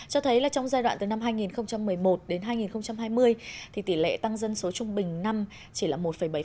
cho thấy là trong giai đoạn từ năm hai nghìn một mươi một đến hai nghìn hai mươi thì tỷ lệ tăng dân số trung bình năm chỉ là một bảy